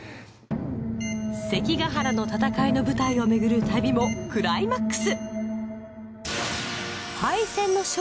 関ケ原の戦いの舞台をめぐる旅もクライマックス